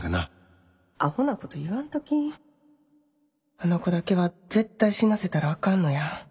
あの子だけは絶対死なせたらあかんのや。